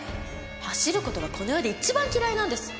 走る事がこの世で一番嫌いなんです。